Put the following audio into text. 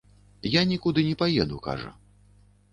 Я нікуды не паеду, кажа.